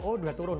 oh sudah turun